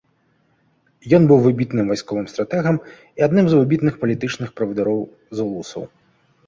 Ён быў выбітным вайсковым стратэгам і адным з выбітных палітычных правадыроў зулусаў.